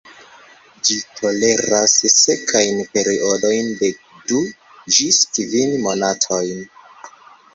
Ĝi toleras sekajn periodojn de du ĝis kvin monatojn.